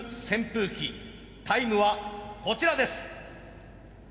旋風鬼タイムはこちらです。